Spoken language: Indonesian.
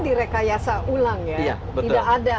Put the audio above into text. direkayasa ulang ya iya betul tidak ada